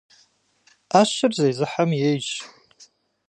Iэщыр зезыхьэм ейщ.